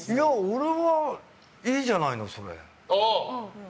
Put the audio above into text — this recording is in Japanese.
俺はいいじゃないの、それ。